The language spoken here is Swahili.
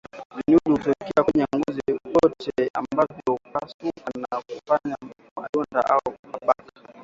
Vinundu hutokea kwenye ngozi yote ambavyo hupasuka na kufanya madonda au mabaka